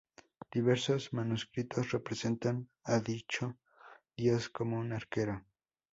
Diversos manuscritos representan a dicho dios como un arquero.